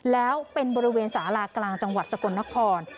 แล้วเป็นบริเวณสารากลางจังหวัดสกลนคร